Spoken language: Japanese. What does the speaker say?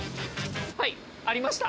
はいありました。